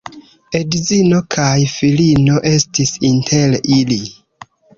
Edzino kaj filino estis inter ili.